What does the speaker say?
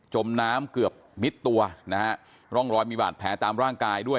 มน้ำเกือบมิดตัวนะฮะร่องรอยมีบาดแผลตามร่างกายด้วย